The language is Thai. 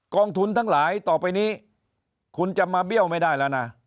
กองทุนทั้งหลายต่อไปนี้คุณจะมาเบี้ยวไม่ได้แล้วนะ